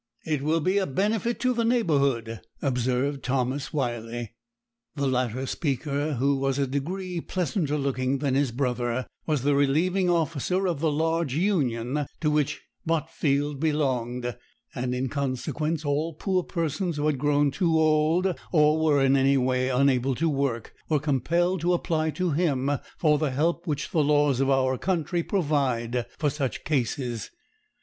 'It will be a benefit to the neighbourhood,' observed Thomas Wyley. The latter speaker, who was a degree pleasanter looking than his brother, was the relieving officer of the large union to which Botfield belonged; and, in consequence, all poor persons who had grown too old, or were in any way unable to work, were compelled to apply to him for the help which the laws of our country provide for such cases.